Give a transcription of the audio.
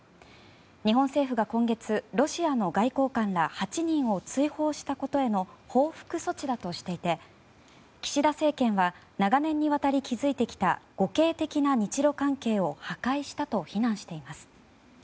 日本政府が今月ロシアの外交官ら８人を追放したことへの報復措置だとしていて岸田政権は長年にわたり築いてきた互恵的な日露関係を破壊したと非難しています。